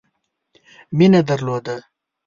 مینه درلوده.